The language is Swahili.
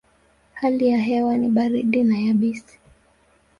Hali ya hewa ni baridi na yabisi.